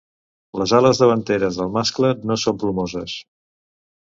Les ales davanteres del mascle no són plomoses.